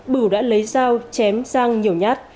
bửu đã lấy dao chém giang nhiều nhát